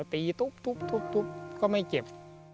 เดี๋ยวตีก็ไม่เจ็บ